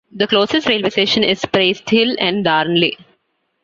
The closest railway station is Priesthill and Darnley.